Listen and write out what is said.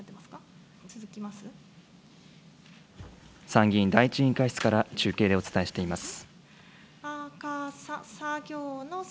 参議院第１委員会室から中継でお伝えしています。